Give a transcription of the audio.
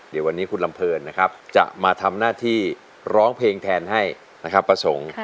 เดี๋ยววันนี้คุณลำเพลินนะครับจะมาทำหน้าที่ร้องเพลงแทนให้นะครับประสงค์